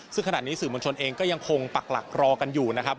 ซึ่งขณะนี้สื่อมวลชนเองก็ยังคงปักหลักรอกันอยู่นะครับ